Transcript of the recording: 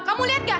kamu lihat gak